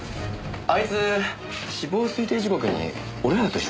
あいつ死亡推定時刻に俺らと一緒にいましたよね？